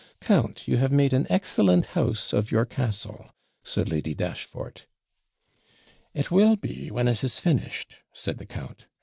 'Count, you have made an excellent house of your castle,' said Lady Dashfort. 'It will be, when it is finished,' said the count.